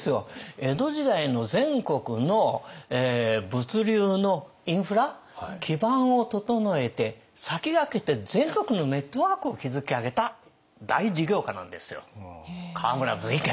江戸時代の全国の物流のインフラ基盤を整えて先駆けて全国のネットワークを築き上げた大事業家なんですよ河村瑞賢。